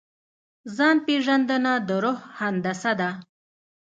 ځان پېژندنه د روح هندسه ده.